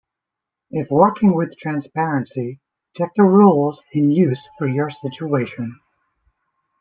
If working with transparency, check the rules in use for your situation.